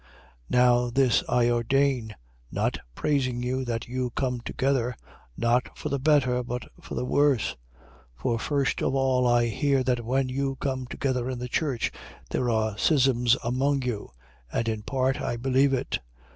11:17. Now this I ordain: not praising you, that you come together, not for the better, but for the worse. 11:18. For first of all I hear that when you come together in the church, there are schisms among you. And in part I believe it.